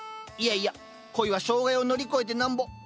いやいや恋は障害を乗り越えてなんぼ。